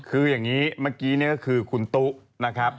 คืออย่างนี้เมื่อกี้นี่ก็คือคุณตุ๊นะครับ